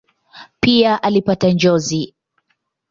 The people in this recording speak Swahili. Pia alipata njozi.